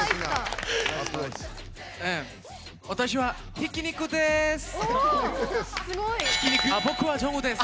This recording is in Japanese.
私は、ひき肉です！